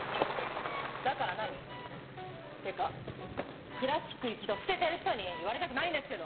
だから何？ってかクラシック一度捨ててる人に言われたくないんですけど！